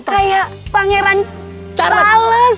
kayak pangeran charles